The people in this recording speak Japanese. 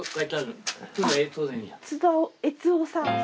津田悦夫さん。